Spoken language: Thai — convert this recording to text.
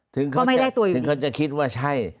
ถึงเขาจะคิดว่าใช่